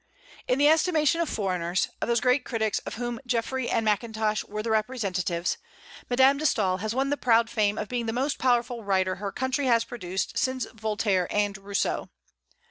In the estimation of foreigners of those great critics of whom Jeffrey and Mackintosh were the representatives Madame de Staël has won the proud fame of being the most powerful writer her country has produced since Voltaire and Rousseau.